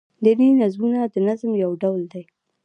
دیني نظمونه دنظم يو ډول دﺉ.